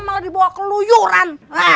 malah dibawa keluyuran